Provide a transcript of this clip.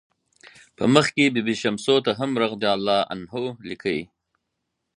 په مخ کې بي بي شمسو ته هم "رضی الله عنه" لیکي.